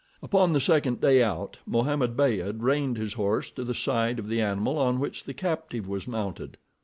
Upon the second day out Mohammed Beyd reined his horse to the side of the animal on which the captive was mounted.